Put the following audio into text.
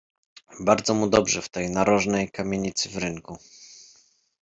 Bardzo mu dobrze w tej narożnej kamienicy w rynku.